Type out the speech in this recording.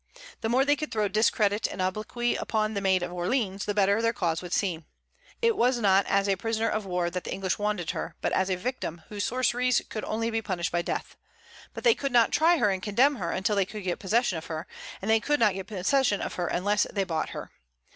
The more they could throw discredit and obloquy upon the Maid of Orleans, the better their cause would seem. It was not as a prisoner of war that the English wanted her, but as a victim, whose sorceries could only be punished by death. But they could not try her and condemn her until they could get possession of her; and they could not get possession of her unless they bought her.